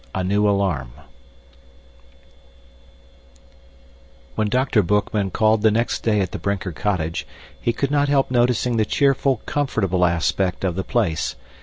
A New Alarm When Dr. Boekman called the next day at the Brinker cottage, he could not help noticing the cheerful, comfortable aspect of the place.